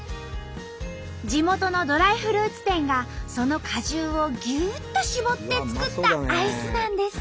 地元のドライフルーツ店がその果汁をぎゅっと搾って作ったアイスなんです。